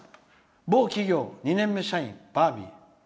某企業、２年目社員、バービー。